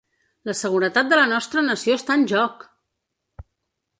La seguretat de la nostra nació està en joc!